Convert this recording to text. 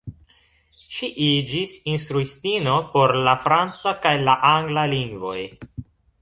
Ŝi iĝis instruistino por la franca kaj la angla lingvoj.